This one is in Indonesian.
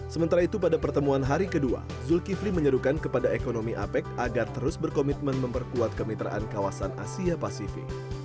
sementara itu pada pertemuan hari kedua zulkifli menyerukan kepada ekonomi apec agar terus berkomitmen memperkuat kemitraan kawasan asia pasifik